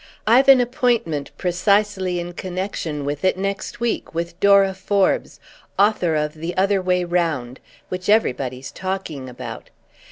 I've an appointment, precisely in connexion with it, next week, with Dora Forbes, author of 'The Other Way Round,' which everybody's talking about.